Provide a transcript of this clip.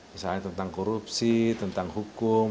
misalnya tentang korupsi tentang hukum